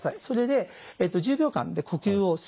それで１０秒間で呼吸を。